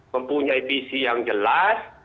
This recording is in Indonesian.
mempunyai visi yang jelas